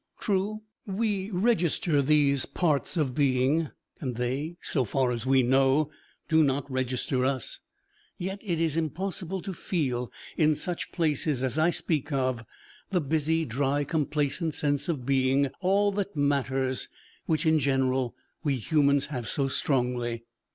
True, we register these parts of being, and they so far as we know do not register us; yet it is impossible to feel, in such places as I speak of, the busy, dry, complacent sense of being all that matters, which in general we humans have so strongly.